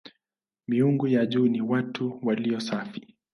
Miungu wa juu ni "watatu walio safi".